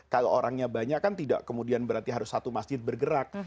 kalau orangnya banyak kan tidak kemudian berarti harus satu masjid bergerak